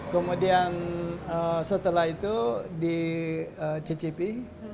kemudian setelah itu dicicipi